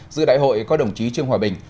giữa đại hội có đồng chí trương hòa bình